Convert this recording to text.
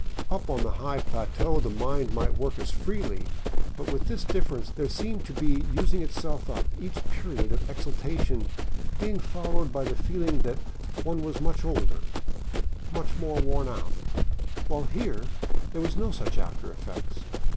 Up on the high plateau the mind might work as freely, but 568 LIFE IN THE BOLIVIAN WILDERNESS with this difference : there it seemed to be using itself up, each period of exahation being followed by the feeling that one was much older, much more worn out, while here there were no such after effects.